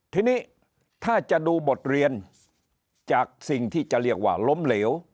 ทีนี้ถ้าจะดูบทเรียนจากสิ่งที่จะเรียกว่าล้มเหลว